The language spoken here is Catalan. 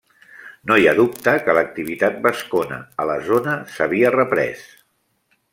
No hi ha dubte que l'activitat vascona a la zona s'havia reprès.